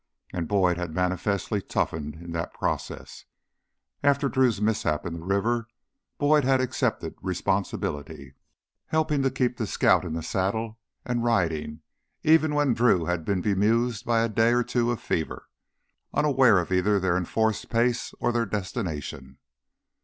And Boyd had manifestly toughened in that process. After Drew's mishap in the river, Boyd had accepted responsibility, helping to keep the scout in the saddle and riding, even when Drew had been bemused by a day or two of fever, unaware of either their enforced pace or their destination.